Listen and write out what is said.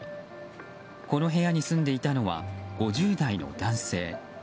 この部屋に住んでいたのは５０代の男性。